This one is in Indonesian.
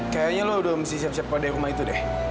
kayaknya lo udah mesti siap siap pada rumah itu deh